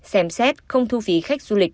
xem xét không thu phí khách du lịch